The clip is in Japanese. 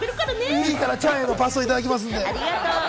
「Ｐ」から「ちゃん」へ、パスをいただきますから。